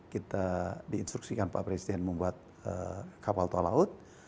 kita diinstruksikan pak presiden membuat kapal tol laut